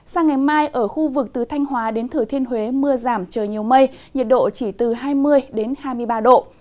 sang ngày mai ở khu vực từ thanh hóa đến thừa thiên huế mưa giảm trời nhiều mây nhiệt độ chỉ từ hai mươi hai mươi ba độ